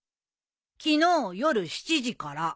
昨日夜７時から。